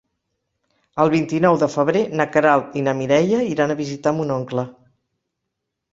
El vint-i-nou de febrer na Queralt i na Mireia iran a visitar mon oncle.